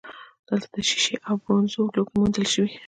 دلته د شیشې او برونزو لوښي موندل شوي